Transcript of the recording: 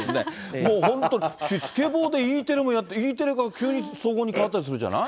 もう本当、スケボーでＥテレもやって、Ｅテレが急に総合に変わったりするじゃない。